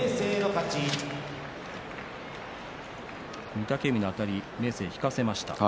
御嶽海のあたり明生を引かせましたね。